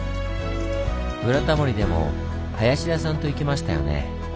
「ブラタモリ」でも林田さんと行きましたよね！